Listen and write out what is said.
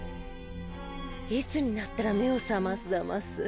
いつになったら目を覚ますざます？